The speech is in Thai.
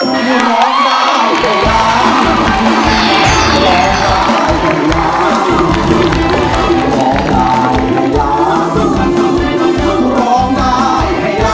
มีนักสู้เพียงหนึ่งเดียวที่ร้องได้